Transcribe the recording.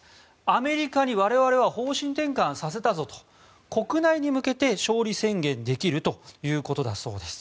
アメリカに我々は方針転換させたぞと国内に向けて勝利宣言できるということだそうです。